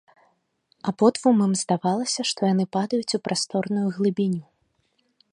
Абодвум ім здавалася, што яны падаюць у прасторную глыбіню.